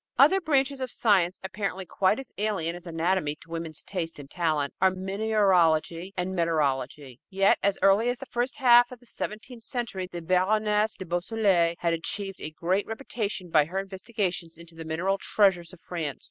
Other branches of science, apparently quite as alien as anatomy to women's taste and talent, are mineralogy and metallurgy. Yet as early as the first half of the seventeenth century, the Baroness de Beausoleil had achieved a great reputation by her investigations into the mineral treasures of France.